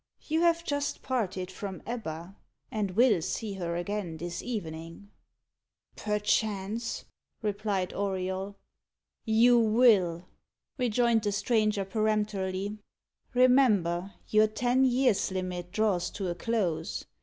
You have just parted from Ebba, and will see her again this evening." "Perchance," replied Auriol. "You will," rejoined the stranger peremptorily. "Remember, your ten years' limit draws to a close.